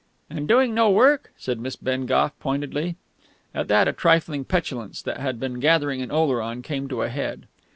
"And doing no work," said Miss Bengough pointedly. At that a trifling petulance that had been gathering in Oleron came to a head.